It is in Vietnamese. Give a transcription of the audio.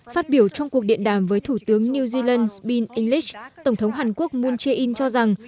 phát biểu trong cuộc điện đàm với thủ tướng new zealand bill english tổng thống hàn quốc moon jae in cho rằng